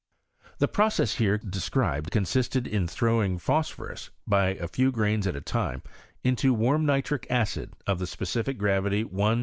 The process here described consisted in throwing phosphorus, by a few grains at a time, into warm nitric acid of the specific gravity 1*29895.